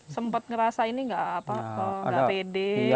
sempat merasa ini tidak apa apa tidak pede